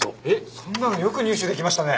そんなのよく入手できましたね！